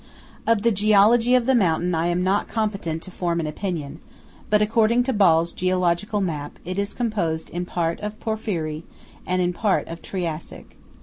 24 Of the geology of the mountain I am not competent to form an opinion; but according to Ball's geological map, it is composed in part of Porphyry, and in part of Triassic.